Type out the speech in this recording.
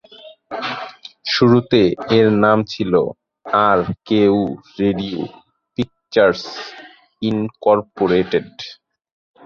শুরুতে এর নাম ছিল আরকেও রেডিও পিকচার্স ইনকর্পোরেটেড।